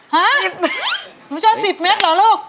ห๊ะนึกว่า๑๐เมตรเหรอลูก